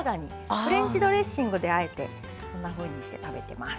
フレンチドレッシングであえてそんなふうにして食べてます。